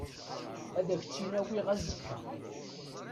Ad ak-tt-in-awiɣ azekka.